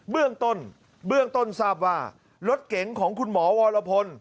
เบื้องต้นเบื้องต้นทราบว่ารถเก๋งของคุณหมอวรพล